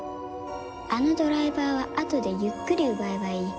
あのドライバーはあとでゆっくり奪えばいい。